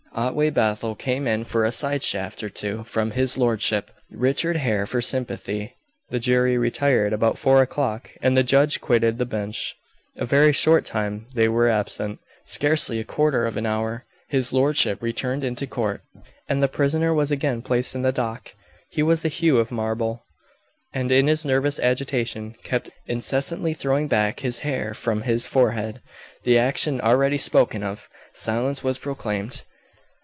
Otway Bethel came in for a side shaft or two from his lordship; Richard Hare for sympathy. The jury retired about four o'clock, and the judge quitted the bench. A very short time they were absent. Scarcely a quarter of an hour. His lordship returned into court, and the prisoner was again placed in the dock. He was the hue of marble, and, in his nervous agitation, kept incessantly throwing back his hair from his forehead the action already spoken of. Silence was proclaimed.